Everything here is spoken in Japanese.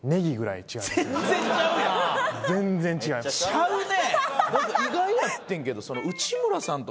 ちゃうね！